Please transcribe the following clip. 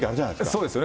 そうですよね。